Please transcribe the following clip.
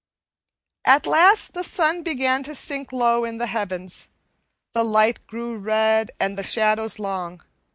At last the sun began to sink low in the heavens; the light grew red and the shadows long.